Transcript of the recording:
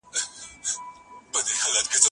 زه به اوږده موده مکتب ته تللي وم؟